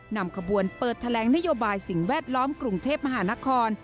นำขบวนเปิดแถลงนโยบายสิ่งแวดล้อมกรุงเทพมหานคร